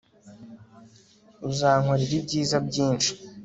Uzankorera ibyiza byinshi